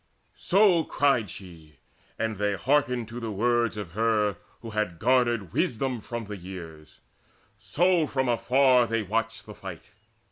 So cried she, and they hearkened to the words Of her who had garnered wisdom from the years; So from afar they watched the fight.